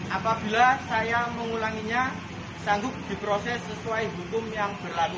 apabila saya mengulanginya sanggup diproses sesuai hukum yang berlaku